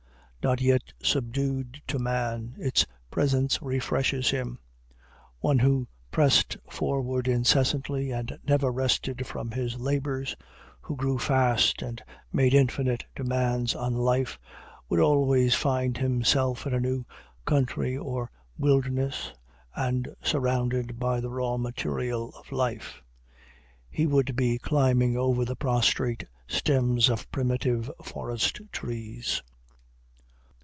Not yet subdued to man, its presence refreshes him. One who pressed forward incessantly and never rested from his labors, who grew fast and made infinite demands on life, would always find himself in a new country or wilderness, and surrounded by the raw material of life. He would be climbing over the prostrate stems of primitive forest trees.